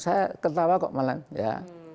saya ketawa kok malah ya